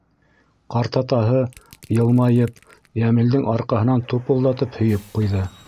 Ҡартатаһы, йылмайып, Йәмилдең арҡаһынан тупылдатып һөйөп ҡуйҙы.